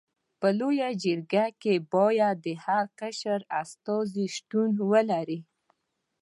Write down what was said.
په لويه جرګه کي باید هر قشر استازي شتون ولري.